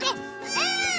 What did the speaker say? うん！